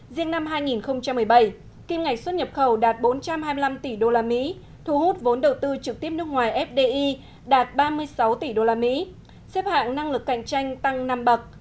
riêng năm hai nghìn một mươi bảy kim ngạch xuất nhập khẩu đạt bốn trăm hai mươi năm tỷ usd thu hút vốn đầu tư trực tiếp nước ngoài fdi đạt ba mươi sáu tỷ usd xếp hạng năng lực cạnh tranh tăng năm bậc